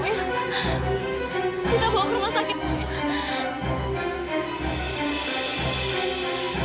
kita bawa ke rumah sakit